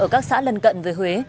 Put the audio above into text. ở các xã lân cận với huế